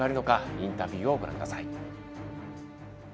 インタビューをご覧ください。